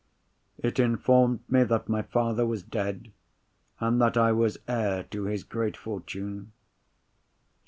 It informed me that my father was dead, and that I was heir to his great fortune.